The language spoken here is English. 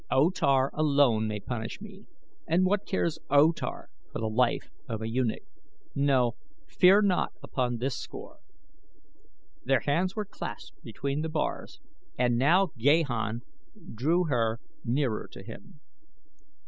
O Tar alone may punish me, and what cares O Tar for the life of a eunuch? No, fear not upon this score." Their hands were clasped between the bars and now Gahan drew her nearer to him.